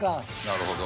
なるほど。